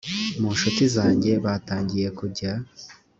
mu ncuti zanjye batangiye kujya